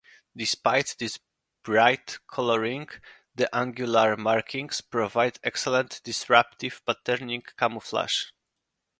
Despite this bright colouring, the angular markings provide excellent disruptive patterning camouflage.